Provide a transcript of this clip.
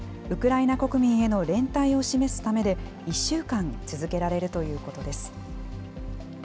ウクライナ国民への連帯を示すためで、１週間続けられるということです。